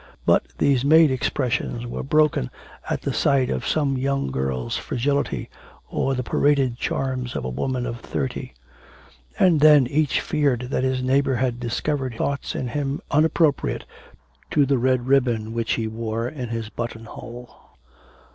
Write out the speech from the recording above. But these made expressions were broken at the sight of some young girl's fragility, or the paraded charms of a woman of thirty; and then each feared that his neighbour had discovered thoughts in him unappropriate to the red ribbon which he wore in his buttonhole.